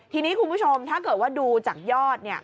ทีนี้คุณผู้ชมถ้าเกิดว่าดูจากยอดเนี่ย